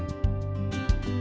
ini yang terbaik